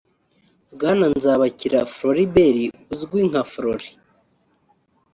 Bwana Nzabakira Floribert uzwi nka Flory